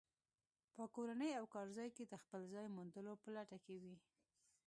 په کورنۍ او کارځای کې د خپل ځای موندلو په لټه کې وي.